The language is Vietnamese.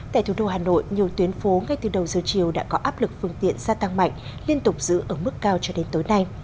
tại thủ đô hà nội nhiều tuyến phố ngay từ đầu giờ chiều đã có áp lực phương tiện gia tăng mạnh liên tục giữ ở mức cao cho đến tối nay